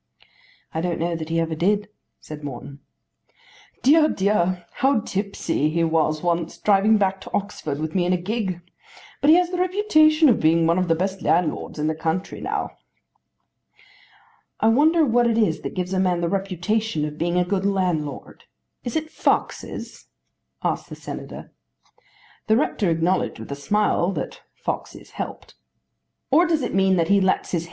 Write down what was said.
"I don't know that he ever did," said Morton. "Dear, dear, how tipsy he was once driving back to Oxford with me in a gig. But he has the reputation of being one of the best landlords in the country now." "I wonder what it is that gives a man the reputation of being a good landlord. Is it foxes?" asked the Senator. The rector acknowledged with a smile that foxes helped.